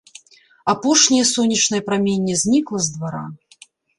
Апошняе сонечнае праменне знікла з двара.